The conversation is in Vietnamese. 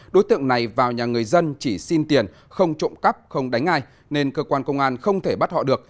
đối tượng này vào nhà người dân chỉ xin tiền không trộm cắp không đánh ai nên cơ quan công an không thể bắt họ được